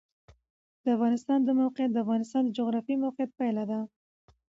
د افغانستان د موقعیت د افغانستان د جغرافیایي موقیعت پایله ده.